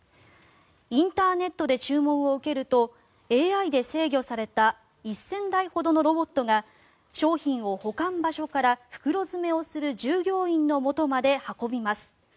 インターネットで注文を受けるとＡＩで制御された１０００台ほどのロボットが商品を保管場所から袋詰めをする従業員のもとまで運びます。